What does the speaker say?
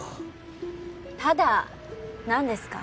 ただなんですか？